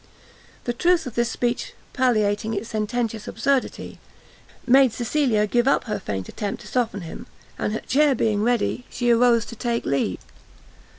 The truth of this speech palliating its sententious absurdity, made Cecilia give up her faint attempt to soften him; and her chair being ready, she arose to take leave.